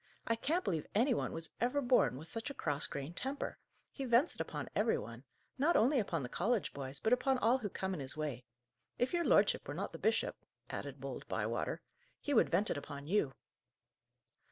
I can't believe any one was ever born with such a cross grained temper. He vents it upon every one: not only upon the college boys, but upon all who come in his way. If your lordship were not the bishop," added bold Bywater, "he would vent it upon you."